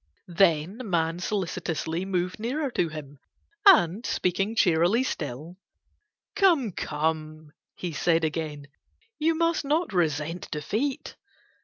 Then Man solicitously moved nearer to him and, speaking cheerily still, "Come, come," he said again, "you must not resent defeat."